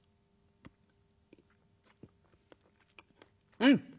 「うん。